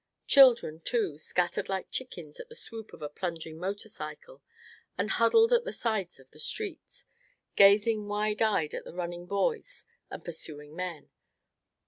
Children, too, scattered like chickens at the swoop of a plunging motorcycle; and huddled at the sides of the street, gazing wide eyed at the running boys and pursuing men.